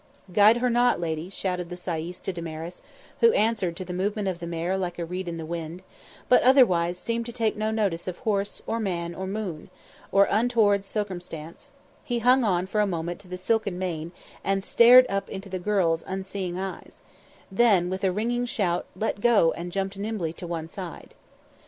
"Guide her not, lady," shouted the sayis to Damaris, who answered to the movement of the mare like a reed in the wind, but otherwise seemed to take no notice of horse, or man, or moon, or untoward circumstance; he hung on for a moment to the silken mane and stared up into the girl's unseeing eyes; then, with a ringing shout, let go and jumped nimbly to one side.